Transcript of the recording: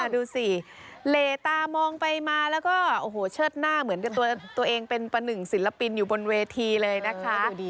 ดูสิเหลตามองไปมาแล้วก็โอ้โหเชิดหน้าเหมือนกับตัวเองเป็นประหนึ่งศิลปินอยู่บนเวทีเลยนะคะ